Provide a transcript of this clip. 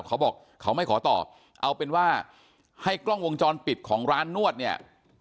เขาบอกเขาไม่ขอตอบเอาเป็นว่าให้กล้องวงจรปิดของร้านนวดเนี่ย